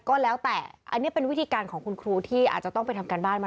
ก็แล้วแต่อันนี้เป็นวิธีการของคุณครูที่อาจจะต้องไปทำการบ้านมา